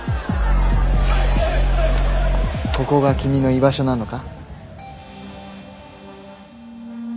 ここが君の居場所なのか？